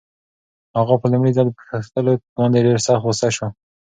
اغا په لومړي ځل پوښتلو باندې ډېر سخت غوسه شو.